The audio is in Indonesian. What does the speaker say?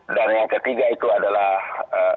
dan yang ketiga itu adalah